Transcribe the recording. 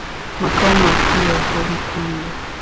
Makao makuu yako Mpanda.